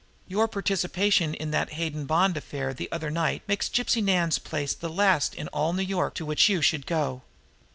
Your participation in that Hayden Bond affair the other night makes Gypsy Nan's place the last in all New York to which you should go."